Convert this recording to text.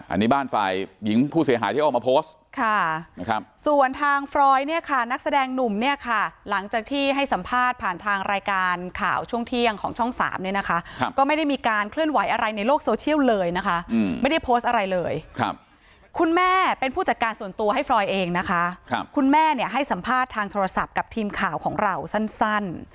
อันนี้บ้านฝ่ายหญิงผู้เสียหายที่ออกมาโพสต์ค่ะนะครับส่วนทางฟรอยเนี่ยค่ะนักแสดงหนุ่มเนี่ยค่ะหลังจากที่ให้สัมภาษณ์ผ่านทางรายการข่าวช่วงเที่ยงของช่อง๓เนี่ยนะคะก็ไม่ได้มีการเคลื่อนไหวอะไรในโลกโซเชียลเลยนะคะไม่ได้โพสต์อะไรเลยครับคุณแม่เป็นผู้จัดการส่วนตัวให้ฟรอยเองนะคะคุณแม่เนี่ยให้สัมภาษณ์ทางโทรศัพท์กับทีมข่าวของเราสั้น